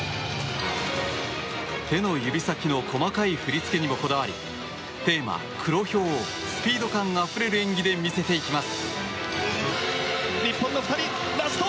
手の指先の細かい振り付けにもこだわりテーマ、黒豹をスピード感あふれる演技で見せていきます。